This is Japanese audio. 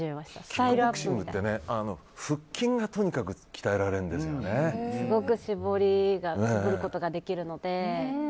キックボクシングって腹筋がとにかくすごく絞ることができるので。